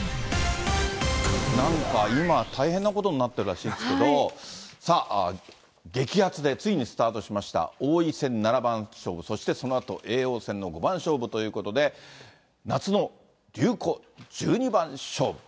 なんか今、大変なことになってるらしいですけど、さぁ、激熱でついにスタートしました、王位戦七番勝負、そしてそのあと叡王戦の五番勝負ということで、夏の竜虎十二番勝負。